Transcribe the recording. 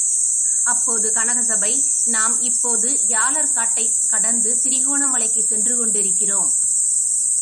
அப்போது கனகசபை, நாம் இப்போது யாலர் காட்டை கடந்து திரிகோணமலைக்குச் சென்று கொண்டிருக்கிறோம்.